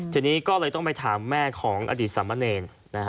ทีนี้ก็เลยต้องไปถามแม่ของอดีตสามะเนร